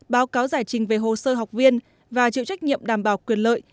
báo cáo giải trình về hồ sơ học viên và chịu trách nhiệm đảm bảo quyền lợi